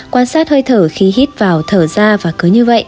quan sát hơi thở khi hít vào thở da và cứ như vậy